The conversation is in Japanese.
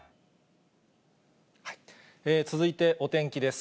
続いてお天気です。